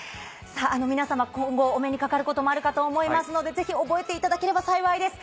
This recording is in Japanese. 皆様今後お目にかかることもあるかと思いますのでぜひ覚えていただければ幸いです。